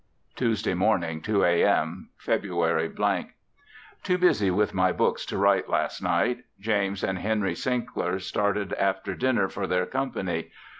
Tuesday morning, 2 A.M. February . Too busy with my books to write last night. James and Henry Sinkler started after dinner for their company.